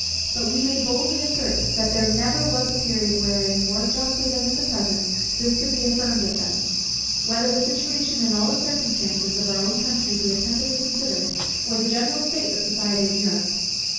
But we may boldly assert, that there never was a period wherein, more justly than in the present, this could be affirmed of them; whether the situation, in all its circumstances, of our own country be attentively considered, or the general state of society in Europe.